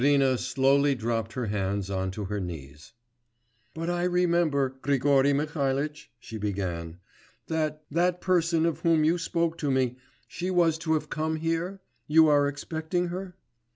Irina slowly dropped her hands on to her knees. 'But I remember, Grigory Mihalitch,' she began; 'that ... that person of whom you spoke to me, she was to have come here? You are expecting her?